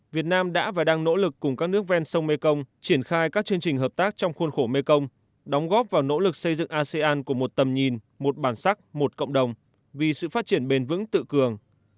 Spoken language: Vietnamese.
việt nam đã và đang nỗ lực cùng các nước ven sông mekong triển khai các chương trình hợp tác trong khuôn khổ mekong đóng góp vào nỗ lực xây dựng asean của một tầm nhìn một bản sắc một cộng đồng vì sự phát triển bền vững tự cường